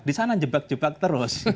di sana jebak jebak terus